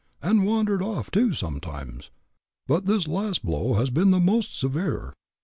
And wandered off, too, sometimes; but this last blow has been the most severe.